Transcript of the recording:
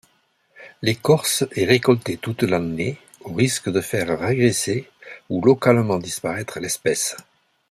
L’écorce est récoltée toute l'année, au risque de faire régresser ou localement disparaitre l'espèce.